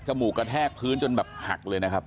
มูกกระแทกพื้นจนแบบหักเลยนะครับ